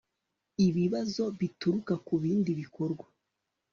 ibibazo bituruka ku bindi bikorwa